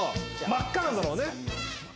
真っ赤なんだろうね。